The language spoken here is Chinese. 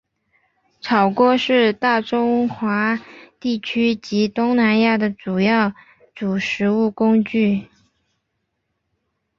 炒锅是大中华地区及东南亚的主要煮食工具。